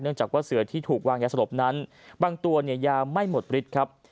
จากว่าเสือที่ถูกวางยาสลบนั้นบางตัวเนี่ยยาไม่หมดฤทธิ์ครับ